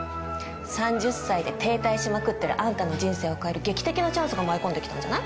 ３０歳で停滞しまくってるあんたの人生を変える劇的なチャンスが舞い込んで来たんじゃない？